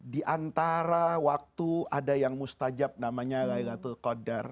di antara waktu ada yang mustajab namanya laylatul qadar